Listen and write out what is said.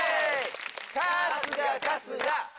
春日春日！